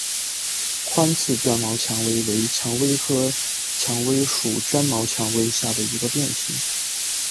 宽刺绢毛蔷薇为蔷薇科蔷薇属绢毛蔷薇下的一个变型。